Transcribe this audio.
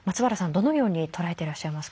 どのように捉えていらっしゃいますか？